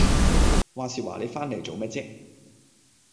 話時話你返嚟做咩啫？